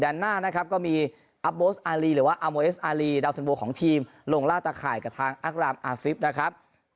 หน้านะครับก็มีอัพโบสอารีหรือว่าอาโมเอสอารีดาวสันโบของทีมลงล่าตะข่ายกับทางอักรามอาฟิศนะครับ